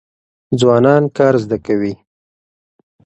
ځوانان کار زده کوي.